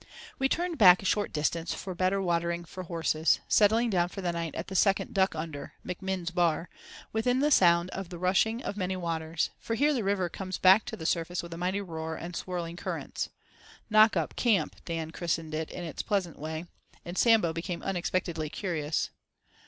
We turned back a short distance for better watering for horses, settling down for the night at the second "duck under"—McMinn's bar—within sound of the rushing of many waters; for here the river comes back to the surface with a mighty roar and swirling currents. "Knockup camp," Dan christened it in his pleasant way, and Sambo became unexpectedly curious.